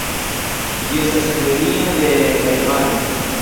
Ĝi estas endemia de Tajvano.